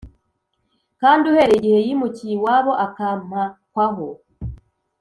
kandi uhereye igihe yimukiye iwabo akampakwaho,